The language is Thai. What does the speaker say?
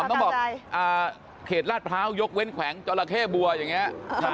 ขุนอ๋อมต้องบอกเขรษะพร้าวยกเว้นแขวงจรลาค่ะเก้บัวอย่างนี้